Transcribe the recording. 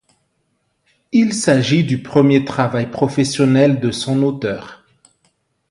Il s'agit du premier travail professionnel de son auteur.